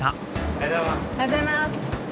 おはようございます。